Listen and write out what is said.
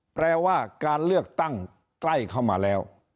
แปลว่าการเลือกตั้งใกล้เข้ามาแล้ว